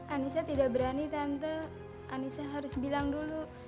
anissa tidak berani tante aniesnya harus bilang dulu